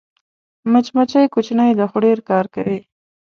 مچمچۍ کوچنۍ ده خو ډېر کار کوي